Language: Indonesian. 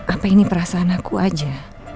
apa ini perasaan aku aja